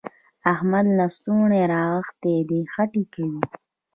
احمد لستوڼي رانغښتي دي؛ خټې کوي.